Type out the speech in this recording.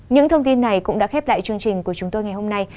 những thông tin này cũng đã khép lại chương trình của chúng tôi ngày hôm nay